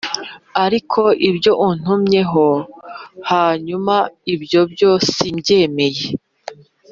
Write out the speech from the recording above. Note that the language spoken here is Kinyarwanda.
ariko ibyo untumyeho hanyuma ibyo byo simbyemeye’